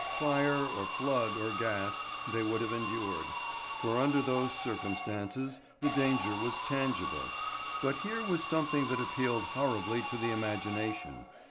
Fire, or flood, or gas, they would have endured, for under those circumstances the danger was tangible. But here was something that appealed horribly to the imagination.